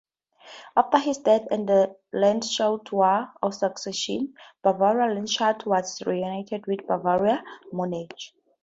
After his death and the Landshut War of Succession, Bavaria-Landshut was reunited with Bavaria-Munich.